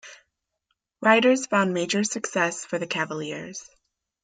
Riders, found major success for the Cavaliers.